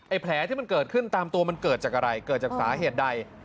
แผลที่มันเกิดขึ้นตามตัวมันเกิดจากอะไรเกิดจากสาเหตุใด